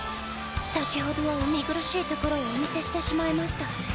先ほどはお見苦しいところをお見せしてしまいマシタ。